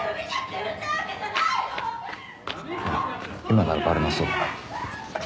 今ならバレなそうだな。